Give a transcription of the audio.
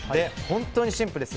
本当にシンプルです。